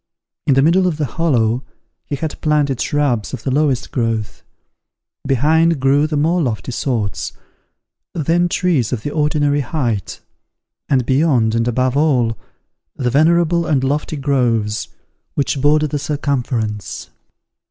In the middle of the hollow he had planted shrubs of the lowest growth; behind grew the more lofty sorts; then trees of the ordinary height; and beyond and above all, the venerable and lofty groves which border the circumference.